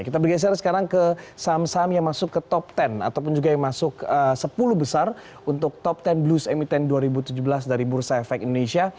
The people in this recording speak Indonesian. kita bergeser sekarang ke saham saham yang masuk ke top sepuluh ataupun juga yang masuk sepuluh besar untuk top sepuluh blues emiten dua ribu tujuh belas dari bursa efek indonesia